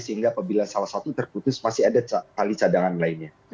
sehingga apabila salah satu terputus masih ada tali cadangan lainnya